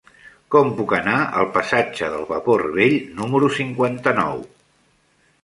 Com puc anar al passatge del Vapor Vell número cinquanta-nou?